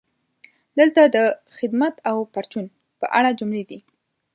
دلته د "خدمت او پرچون" په اړه جملې دي: